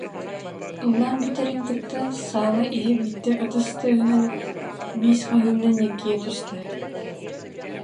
Ыллаан бүтэрин кытта саала иһэ биирдэ ытыс тыаһынан, «биис» хаһыынан ньиргийэ түстэ